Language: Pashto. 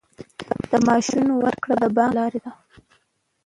د معاشونو ورکړه د بانک له لارې ده